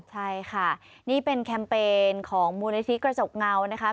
ใช่ค่ะนี่เป็นแคมเปญของมูลนิธิกระจกเงานะคะ